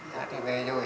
đã thì về rồi